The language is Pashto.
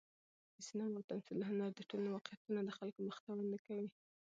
د سینما او تمثیل هنر د ټولنې واقعیتونه د خلکو مخې ته ږدي.